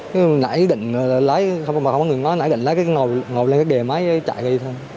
cái nãy định lái không có người nói nãy định lái cái ngầu lên cái đề máy chạy đi thôi